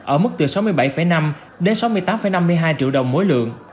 ở mức từ sáu mươi bảy năm đến sáu mươi tám năm mươi hai triệu đồng mỗi lượng